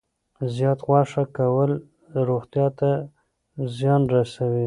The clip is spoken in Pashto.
زیات غوښه کول روغتیا ته زیان رسوي.